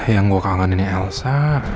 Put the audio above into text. yang gue kangen ini elsa